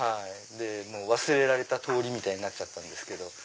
忘れられた通りみたいになっちゃったんですけど。